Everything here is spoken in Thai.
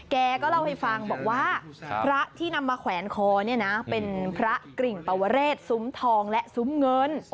แกก็เล่าให้ฟังว่าพระที่นำมาแขวนคอเป็นพระกริ่งปวเรศสุมทองและสุมเงิน